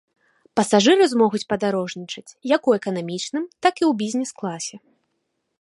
Пасажыры змогуць падарожнічаць як у эканамічным, так і ў бізнес-класе.